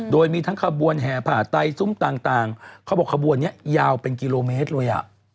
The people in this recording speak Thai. โดยมีทั้งขบวนแห่ผ่าไตซุ้มต่างเขาบอกขบวนนี้ยาวเป็นกิโลเมตรเลยอ่ะ